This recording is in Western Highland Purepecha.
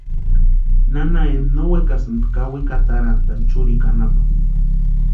Nana Ema no wekasïnti kawikwa atarantʼani churikwa anapu.